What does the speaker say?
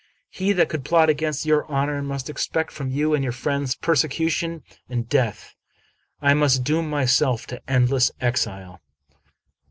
He that could plot against your honor must expect from you and your friends persecution and death. I must doom myself to endless exile."